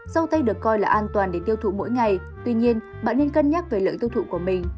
dâu tây được coi là an toàn để tiêu thụ mỗi ngày tuy nhiên bạn nên cân nhắc về lợi tiêu thụ của mình